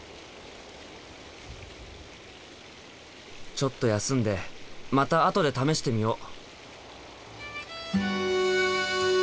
ちょっと休んでまた後で試してみよう！